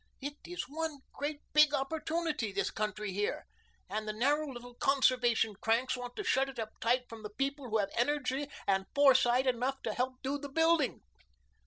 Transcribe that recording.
It is one great big opportunity, the country here, and the narrow little conservation cranks want to shut it up tight from the people who have energy and foresight enough to help do the building."